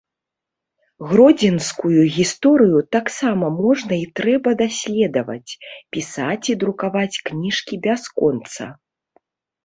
Гродзенскую гісторыю таксама можна і трэба даследаваць, пісаць і друкаваць кніжкі бясконца.